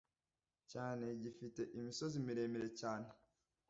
cyane Gifite imisozi miremire cyane